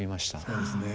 そうですね。